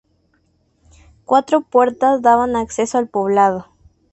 Cuatro puertas daban acceso al poblado.